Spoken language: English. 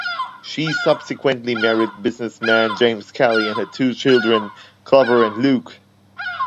She subsequently married businessman James Kelly and had two children, Clover and Luke.